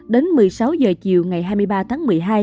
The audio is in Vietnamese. đến một mươi sáu h chiều ngày hai mươi ba tháng một mươi hai